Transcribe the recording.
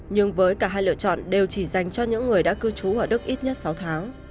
nhưng với cả hai lựa chọn đều chỉ dành cho những người đã cư trú ở đức ít nhất sáu tháng